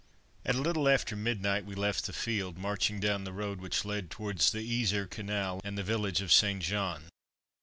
At a little after midnight we left the field, marching down the road which led towards the Yser Canal and the village of St. Jean.